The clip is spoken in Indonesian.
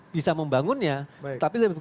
bisa membangunnya tapi